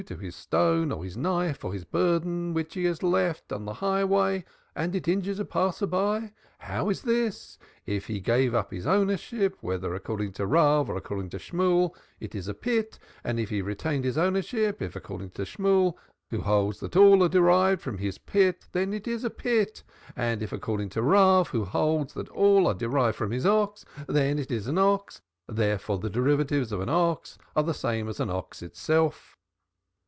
To his stone or his knife or his burden which he has left on the highway and it injured a passer by. How is this? If he gave up his ownership, whether according to Rav or according to Shemuel, it is a pit, and if he retained his ownership, if according to Shemuel, who holds that all are derived from 'his pit,' then it is 'a pit,' and if according to Rav, who holds that all are derived from 'his ox,' then it is 'an ox,' therefore the derivatives of 'an ox' are the same as 'an ox' itself."